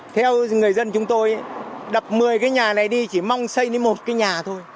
theo người dân chúng tôi đập một mươi cái nhà này đi chỉ mong xây đến một cái nhà thôi